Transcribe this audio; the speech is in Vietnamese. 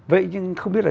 vậy nhưng không biết là